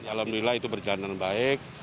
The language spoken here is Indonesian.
alhamdulillah itu berjalanan baik